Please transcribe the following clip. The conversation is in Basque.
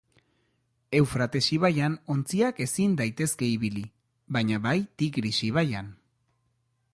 Eufrates ibaian ontziak ezin daitezke ibili, baina bai Tigris ibaian.